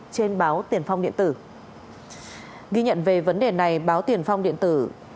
trên báo tiền phong điện tử ghi nhận về vấn đề này báo tiền phong điện tử